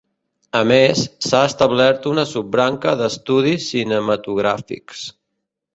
A més, s'ha establert una sub-branca d'estudis cinematogràfics.